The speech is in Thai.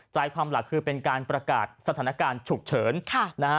ใจคำหลักคือเป็นการประกาศสถานการณ์ฉุกเฉิน